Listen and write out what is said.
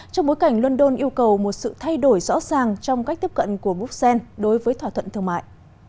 trong bối cảnh london yêu cầu một sự thay đổi rõ ràng trong cách tiếp cận của bruxelles đối với thỏa thuận thương mại